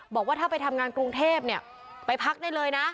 บอกว่าถ้าไปทำงานกรุงเทพเนี่ยไปพักได้เลยนะ